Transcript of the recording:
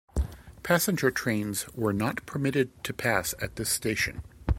Passenger trains were not permitted to pass at this station.